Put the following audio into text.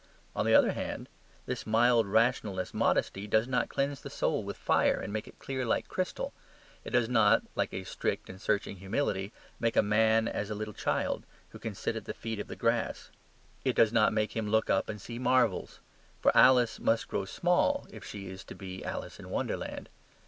On the other hand, this mild rationalist modesty does not cleanse the soul with fire and make it clear like crystal; it does not (like a strict and searching humility) make a man as a little child, who can sit at the feet of the grass. It does not make him look up and see marvels; for Alice must grow small if she is to be Alice in Wonderland.